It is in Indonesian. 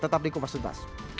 tetap di kumpas juntas